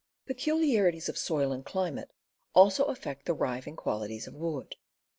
Peculiarities of soil and AXEMANSHIP 261 climate also affect the riving qualities of wood.